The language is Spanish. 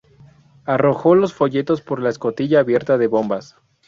Arrojó los folletos por la escotilla abierta de bombas.